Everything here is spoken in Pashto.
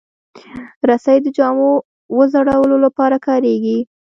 رسۍ د جامو وځړولو لپاره کارېږي.